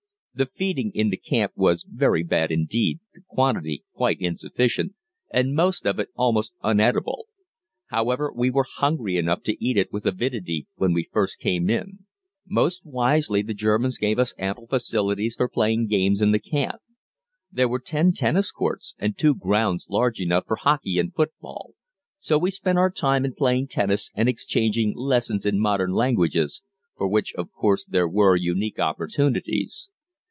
The feeding in the camp was very bad indeed, the quantity quite insufficient, and most of it almost uneatable. However, we were hungry enough to eat it with avidity when we first came in. Most wisely the Germans gave us ample facilities for playing games in the camp. There were ten tennis courts, and two grounds large enough for hockey and football, so we spent our time in playing tennis and exchanging lessons in modern languages, for which of course there were unique opportunities.